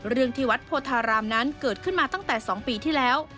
เรื่องที่วัดโพธารามนั้นเกิดขึ้นมาตั้งแต่๒ปีที่แล้ว